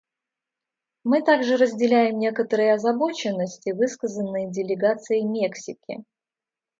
Мы также разделяем некоторые озабоченности, высказанные делегацией Мексики.